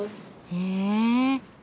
へえ。